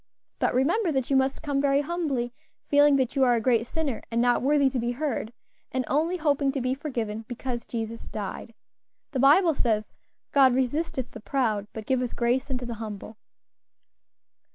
But remember that you must come very humbly; feeling that you are a great sinner, and not worthy to be heard, and only hoping to be forgiven, because Jesus died. The Bible says, 'God resisteth the proud, but giveth grace unto the humble.'"